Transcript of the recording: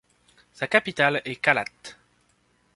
Sa capitale est Qalât.